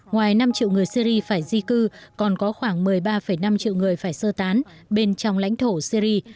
ngoài năm triệu người syri phải di cư còn có khoảng một mươi ba năm triệu người phải sơ tán bên trong lãnh thổ syri